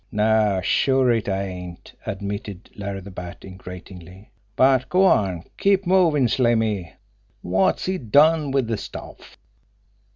"No sure, it ain't!" admitted Larry the Bat ingratiatingly. "But go on, keep movin', Slimmy! Wot's he done wid de stuff?"